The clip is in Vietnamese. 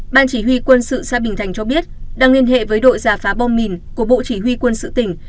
ban chỉ huy quân sự xã bình thành cho biết đang liên hệ với đội giả phá bom mìn của bộ chỉ huy quân sự tỉnh